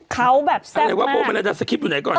เขาแบบแซ่บมากอะไรวะโบเมลดาสกิปต์อยู่ไหนก่อน